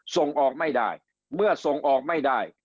ส่งออกไม่ได้เมื่อส่งออกไม่ได้